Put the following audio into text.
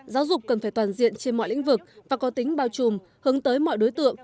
giáo dục cần phải toàn diện trên mọi lĩnh vực và có tính bao trùm hướng tới mọi đối tượng